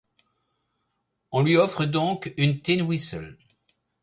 On lui offre donc une tin whistle.